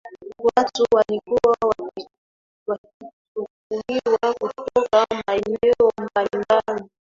Watu walikuwa wakichukuliwa kutoka maeneo mbali mbali